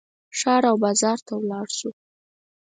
ښار او بازار ته ولاړ شو.